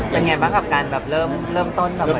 เป็นยังไงบ้างกับการแบบเริ่มต้นกับเหมือนเป็น